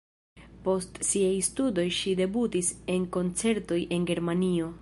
Post siaj studoj ŝi debutis en koncertoj en Germanio.